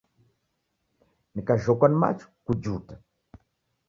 Nikajhokwa ni machu, kujuta!